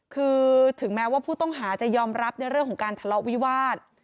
คือถึงแม้ว่าผู้ต้องหาจะยอมรับในเรื่องของการทะเลาะวิวาส